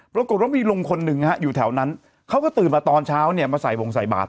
ปรากฏว่ามีลุงคนหนึ่งฮะอยู่แถวนั้นเขาก็ตื่นมาตอนเช้าเนี่ยมาใส่วงใส่บาท